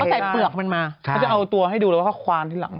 ใส่เปลือกมันมาเขาจะเอาตัวให้ดูเลยว่าเขาควานที่หลัง